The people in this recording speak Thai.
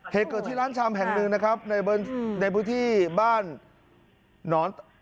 เทเกอร์ที่ร้านชามแห่งหนึ่งนะครับในพื้นที่บ้าน